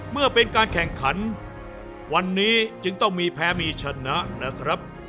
เมื่อเป็นการแข่งขันวันนี้จึงต้องมีแพ้มีชนะนะครับ